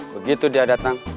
begitu dia datang